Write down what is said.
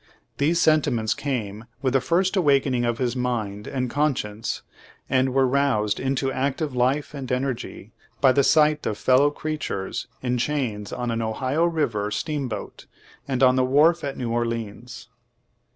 These senti ments came with the first awakening of his mind and con science, and were roused into active life and energy by the sight of fellow creatures in chains on an Ohio River steam boat, and on the wharf at New Orleans."